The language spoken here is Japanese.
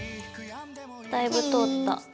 だいぶ通った。ＯＫ。